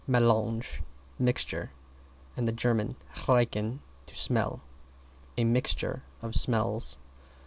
melange, mixture, and Ger. riechen, to smell. A mixture of smells.